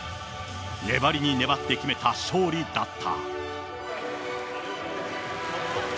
粘りに粘って決めた勝利だった。